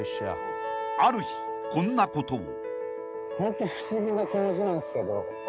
［ある日こんなことを］